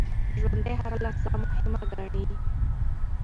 ژوندي هره لحظه مهمه ګڼي